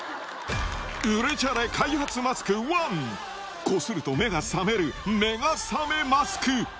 売れチャレ開発マスク１、こすると目が覚める目が覚めマス